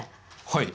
はい。